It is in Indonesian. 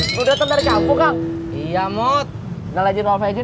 lu dateng dari campur kang